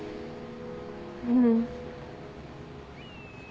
うん。